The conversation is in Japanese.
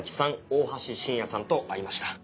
大橋進矢さんと会いました。